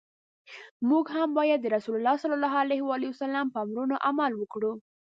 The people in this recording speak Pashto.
موږ هم باید د رسول الله ص په امرونو عمل وکړو.